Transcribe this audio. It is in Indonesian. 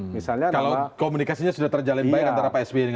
kalau komunikasinya sudah terjalin baik antara psb dengan prabowo